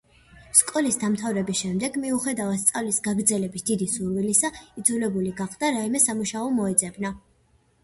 სკოლის დამთავრების შემდეგ, მიუხედავად სწავლის გაგრძელების დიდი სურვილისა, იძულებული გახდა რაიმე სამუშაო მოეძებნა.